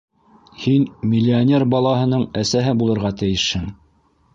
Һин миллионер балаһының әсәһе булырға тейешһең!